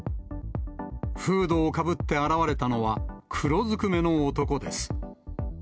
フードをかぶって現れたのは、黒ずくめの男です。